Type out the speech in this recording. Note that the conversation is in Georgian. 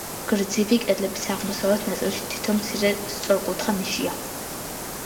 გრძივი კედლების აღმოსავლეთ ნაწილში თითო მცირე სწორკუთხა ნიშია.